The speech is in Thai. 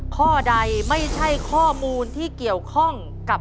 ข้อใดไม่ใช่ข้อมูลที่เกี่ยวข้องกับ